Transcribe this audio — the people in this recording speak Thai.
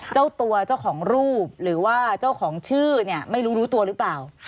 เจ้าตัวเจ้าของรูปหรือว่าเจ้าของชื่อเนี่ยไม่รู้รู้ตัวหรือเปล่า